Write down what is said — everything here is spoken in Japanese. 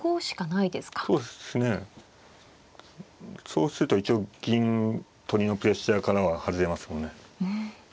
そうすると一応銀取りのプレッシャーからは外れますもんね。